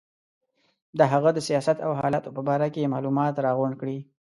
د هغه د سیاست او حالاتو په باره کې معلومات راغونډ کړي.